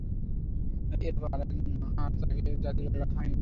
এরপর আর তাকে জাতীয় দলে ডাকা হয়নি।